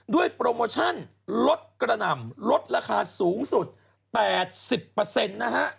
โปรโมชั่นลดกระหน่ำลดราคาสูงสุด๘๐นะฮะ